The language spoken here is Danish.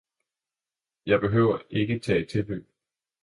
Jeg behøver ikke tage tilløb